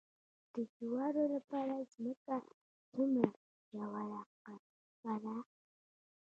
د جوارو لپاره ځمکه څومره ژوره قلبه کړم؟